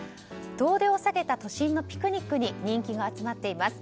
遠出を避けた都心のピクニックに人気が集まっています。